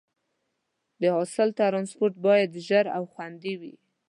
د حاصل ټرانسپورټ باید ژر او خوندي وي.